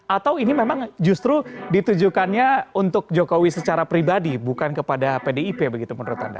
atau ini memang justru ditujukannya untuk jokowi secara pribadi bukan kepada pdip begitu menurut anda